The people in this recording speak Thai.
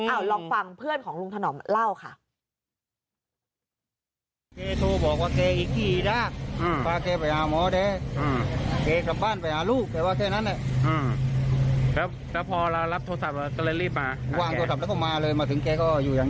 เอาลองฟังเพื่อนของลุงถนอมเล่าค่ะ